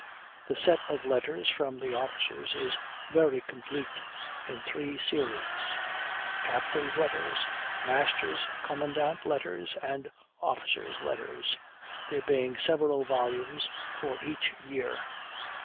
The set of letters from the officers is very complete, in three series, "Captains' Letters," "Masters' Commandant Letters," and "Officers' Letters," there being several volumes for each year.